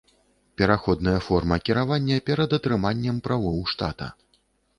Пераходная форма кіравання перад атрыманнем правоў штата.